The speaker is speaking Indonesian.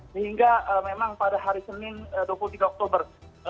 sehingga memang pada hari senin dua puluh tiga oktober